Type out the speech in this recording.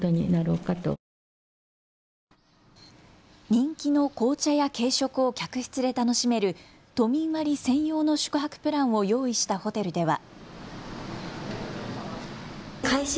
人気の紅茶や軽食を客室で楽しめる都民割専用の宿泊プランを用意したホテルでは。